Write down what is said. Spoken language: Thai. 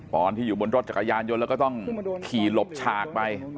ตอนที่อยู่บนรถจักรยานยนต์แล้วก็ต้องขี่หลบฉากไป